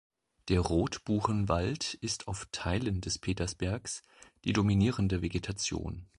Der Rotbuchenwald ist auf Teilen des Petersbergs die dominierende Vegetation.